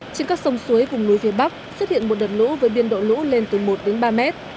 trên các sông suối vùng núi phía bắc xuất hiện một đợt lũ với biên độ lũ lên từ một đến ba mét